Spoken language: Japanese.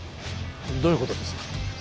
どういうことです？